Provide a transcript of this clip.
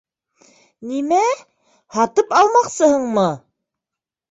— Нимә-ә, һатып алмаҡсыһыңмы?